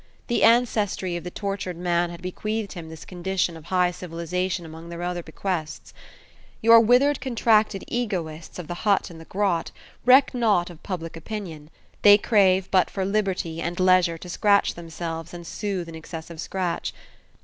The ancestry of the tortured man had bequeathed him this condition of high civilization among their other bequests. Your withered contracted Egoists of the hut and the grot reck not of public opinion; they crave but for liberty and leisure to scratch themselves and soothe an excessive scratch.